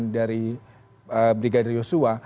dari brigadir yosua